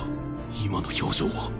今の表情は